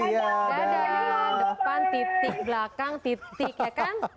depan titik belakang titik ya kan